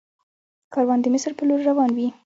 کاروان د مصر په لور روان وي.